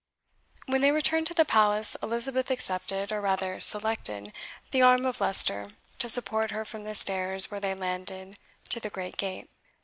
When they returned to the Palace, Elizabeth accepted, or rather selected, the arm of Leicester to support her from the stairs where they landed to the great gate.